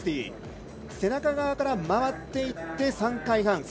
背中側から回っていって３回半。